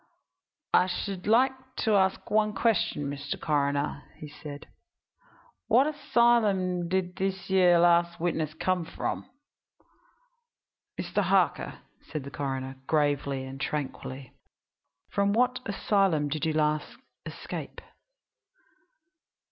"I should like to ask one question, Mr. Coroner," he said. "What asylum did this yer last witness escape from?" "Mr. Harker," said the coroner, gravely and tranquilly, "from what asylum did you last escape?"